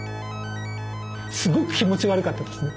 すごく気持ち悪かったですね。